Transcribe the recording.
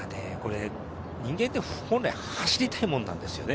人間って本来走りたいものなんですよね。